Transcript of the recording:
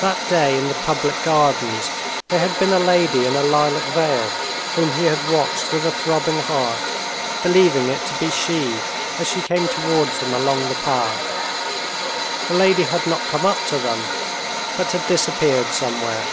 That day in the public gardens there had been a lady in a lilac veil, whom he had watched with a throbbing heart, believing it to be she as she came towards them along the path. The lady had not come up to them, but had disappeared somewhere.